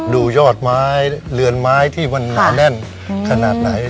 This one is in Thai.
ดูยอดไม้เหลือนไม้ที่มันหนาแน่น